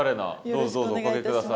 どうぞどうぞおかけ下さい。